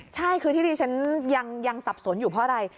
ใช่คือที่ที่ฉันยังสับสนอยู่เพราะอะไร